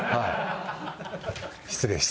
失礼して。